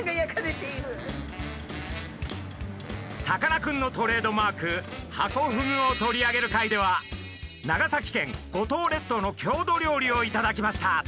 さかなクンのトレードマークハコフグを取り上げる回では長崎県五島列島の郷土料理を頂きました。